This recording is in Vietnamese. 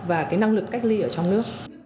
và năng lực cách ly ở trong nước